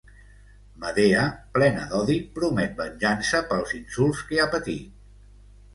Medea, plena d'odi, promet venjança pels insults que ha patit.